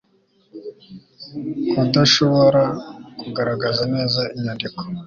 Kudashobora kugaragaza neza inyandiko